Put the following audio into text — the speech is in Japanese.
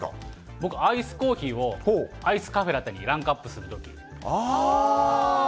僕、アイスコーヒーをアイスカフェラテにランクアップするとき。